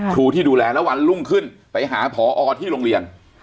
ครูที่ดูแลแล้ววันรุ่งขึ้นไปหาผอที่โรงเรียน